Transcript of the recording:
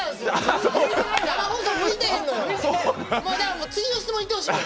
もうだから次の質問いってほしい！